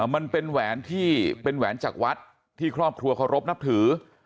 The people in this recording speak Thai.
มันเป็นแหวนจากวัดที่ครอบครัวเคารพนับถือ